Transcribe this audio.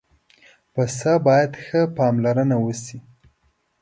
پسه باید ښه پاملرنه وشي.